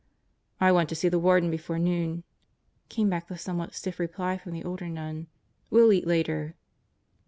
"I want to see the Warden before noon," came back the some what stiff reply from the older nun. "We'll eat later."